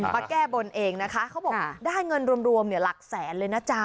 มาแก้บนเองนะคะเขาบอกได้เงินรวมหลักแสนเลยนะจ๊ะ